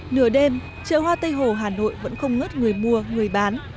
nửa đêm chợ hoa tây hồ hà nội vẫn không ngớt người mua người bán